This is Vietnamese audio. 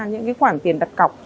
những cái khoản tiền đặt cọc